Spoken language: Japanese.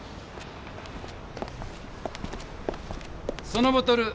そのボトル